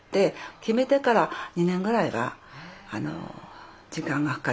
決めてから２年ぐらいは時間がかかりますのでね。